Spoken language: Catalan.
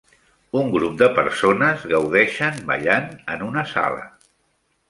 Un grup de persones gaudeixen ballant en una sala.